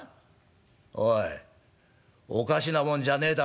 おいおかしなもんじゃねえだろうな」。